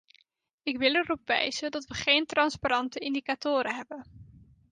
Ik wil erop wijzen dat we geen transparante indicatoren hebben.